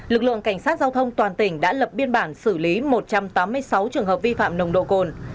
lực lượng cảnh sát giao thông toàn tỉnh đã lập biên bản xử lý một trăm tám mươi sáu trường hợp vi phạm nồng độ cồn